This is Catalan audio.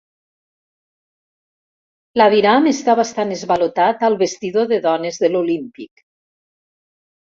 L'aviram està bastant esvalotat al vestidor de dones de l'Olímpic.